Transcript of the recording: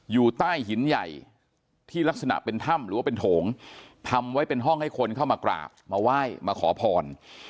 อยู่ใต้หินใหญ่ที่ลักษณะเป็นถ้ำหรือว่าเป็นโถงทำไว้เป็นห้องให้คนเข้ามากราบมาไหว้มาขอพร